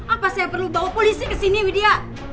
apa saya perlu bawa polisi kesini widya